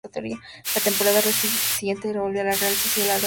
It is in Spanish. La temporada siguiente volvió a la Real Sociedad de su cesión al Almería.